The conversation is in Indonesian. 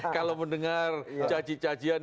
kalau mendengar cacian cacian